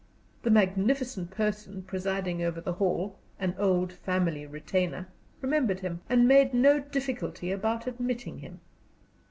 The magnificent person presiding over the hall, an old family retainer, remembered him, and made no difficulty about admitting him.